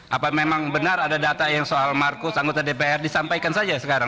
apa memang benar ada data yang soal markus anggota dpr disampaikan saja sekarang